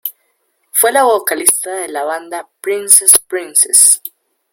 Fue la vocalista de la banda "Princess Princess".